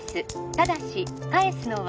ただし返すのは